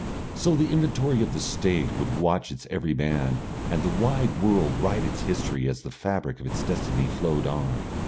So the inventory of the State would watch its every man and the wide world write its history as the fabric of its destiny flowed on.